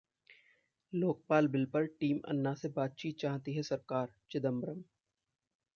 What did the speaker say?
Lokpal bill पर team Anna से बातचीत चाहती है सरकार: चिदंबरम